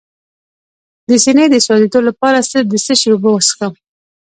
د سینې د سوځیدو لپاره د څه شي اوبه وڅښم؟